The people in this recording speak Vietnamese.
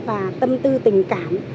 và tâm tư tình cảm